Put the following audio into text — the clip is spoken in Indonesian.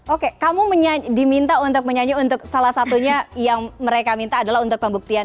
oke kamu diminta untuk menyanyi untuk salah satunya yang mereka minta adalah untuk pembuktian